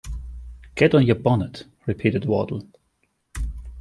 ‘Get on your bonnet,’ repeated Wardle.